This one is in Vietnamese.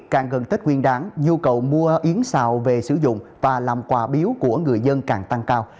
càng gần tết nguyên đáng nhu cầu mua yến xào về sử dụng và làm quà biếu của người dân càng tăng cao